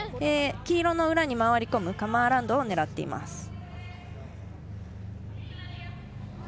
黄色の裏に回り込むカムアラウンドを狙っています。